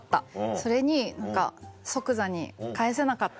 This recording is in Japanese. それに何か即座に返せなかった。